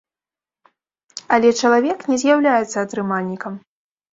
Але чалавек не з'яўляецца атрымальнікам.